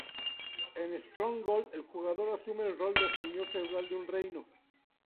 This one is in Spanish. En "Stronghold", el jugador asume el rol del señor feudal de un reino.